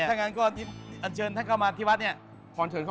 ถ้างั้นก็อันเชิญท่านเข้ามาที่วัดเนี่ย